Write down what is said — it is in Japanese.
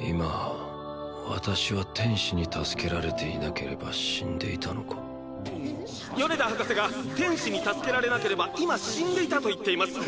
今私は天使に助けられていなければ死んでいたのか米田博士が天使に助けられなければ今死んでいたと言っています